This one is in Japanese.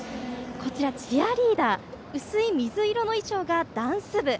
こちら、チアリーダー薄い水色の衣装がダンス部。